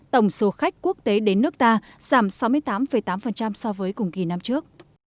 tổng số khách quốc tế đến nước ta giảm sáu mươi tám tám so với cùng kỳ năm trước